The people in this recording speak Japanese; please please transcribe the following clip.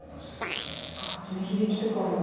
楽器の響きとかも。